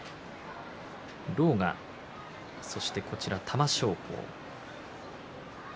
狼雅そして玉正鳳。